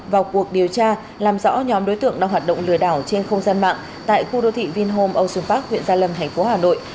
vào cuộc điều tra làm rõ nhóm đối tượng đang hoạt động lừa đảo trên không gian mạng tại khu đô thị vinhome ocean park huyện gia lâm thành phố hà nội